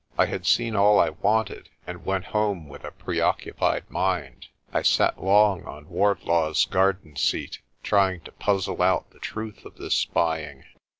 I had seen all I wanted, and went home with a preoccupied mind. I sat long on Wardlaw's garden seat, trying to puzzle out the truth of this spying.